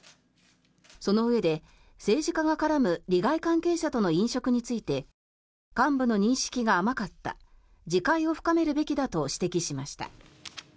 そのうえで政治家が絡む利害関係者との飲食について幹部の認識が甘かった自戒を深めるべきだと指摘しました。